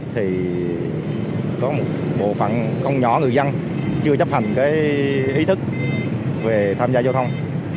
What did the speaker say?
thì có một bộ phận không nhỏ người dân chưa chấp hành cái ý thức về tham gia giao thông